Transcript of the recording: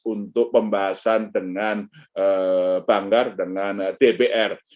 untuk pembahasan dengan banggar dengan dpr